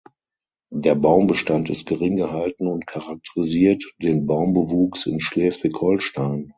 Der Baumbestand ist gering gehalten und charakterisiert den Baumbewuchs in Schleswig-Holstein.